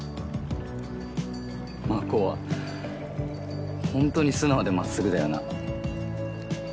真心は本当に素直で真っすぐだよな。